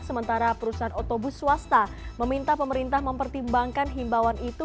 sementara perusahaan otobus swasta meminta pemerintah mempertimbangkan himbawan itu